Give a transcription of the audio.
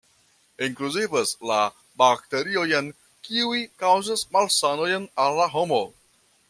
Inkluzivas la bakteriojn kiuj kaŭzas malsanojn al la homo.